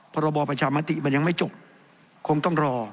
พรบประชามติมันยังไม่จบคงต้องรอ